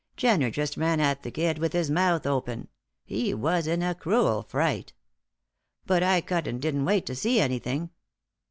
Jenner just ran at the kid with his mouth open; he was in a cruel fright. But I cut and didn't wait to see anything."